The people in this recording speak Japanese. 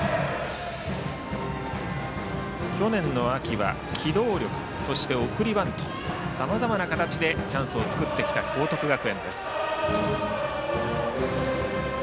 去年の秋は機動力そして送りバントとさまざまな形でチャンスを作ってきた報徳学園です。